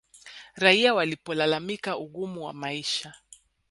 Raia walipolalamika ugumu wa maisha